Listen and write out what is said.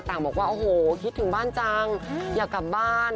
บอกว่าโอ้โหคิดถึงบ้านจังอยากกลับบ้าน